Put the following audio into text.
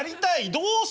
どうするの？